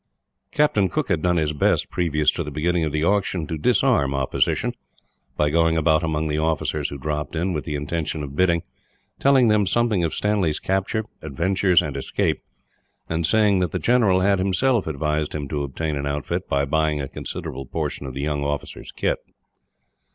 Captain Cooke had done his best, previous to the beginning of the auction, to disarm opposition; by going about among the officers who dropped in, with the intention of bidding, telling them something of Stanley's capture, adventures, and escape; and saying that the general had, himself, advised him to obtain an outfit by buying a considerable portion of the young officer's kit.